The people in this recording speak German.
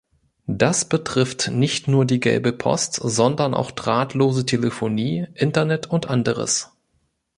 Das betrifft nicht nur die gelbe Post, sondern auch drahtlose Telefonie, Internet und anderes.